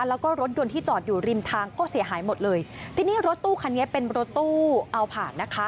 แล้วก็รถยนต์ที่จอดอยู่ริมทางก็เสียหายหมดเลยทีนี้รถตู้คันนี้เป็นรถตู้เอาผ่านนะคะ